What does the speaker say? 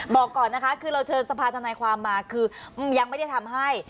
บอกก่อนนะคะคือเราเชิญสภาธนายความมาคือยังไม่ได้ทำให้